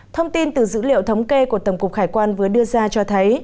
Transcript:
thông tin từ dữ liệu thống kê của tổng cục hải quan vừa đưa ra cho thấy